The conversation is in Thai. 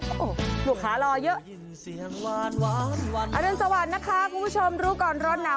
โอ้โหลูกขาลอยเยอะสวัสดีนะคะคุณผู้ชมรู้ก่อนรถหนาว